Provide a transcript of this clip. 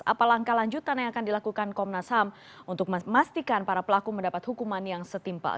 apa langkah lanjutan yang akan dilakukan komnas ham untuk memastikan para pelaku mendapat hukuman yang setimpal